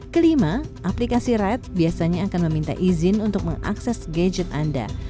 kelima aplikasi red biasanya akan meminta izin untuk mengakses gadget anda